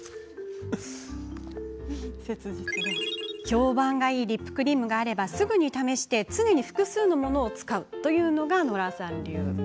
評判がいいリップクリームがあれば、すぐに試して常に複数のものを使うのがノラさん流。